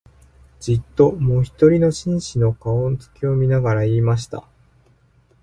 じっと、もひとりの紳士の、顔つきを見ながら言いました